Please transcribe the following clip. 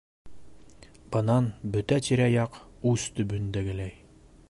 Бынан бөтә тирә-яҡ ус төбөндәгеләй